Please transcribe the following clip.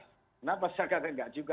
kenapa saya katakan enggak juga